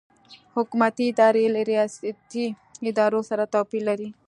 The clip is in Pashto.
حکومتي ادارې له ریاستي ادارو سره توپیر لري.